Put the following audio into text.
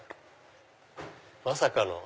まさかの。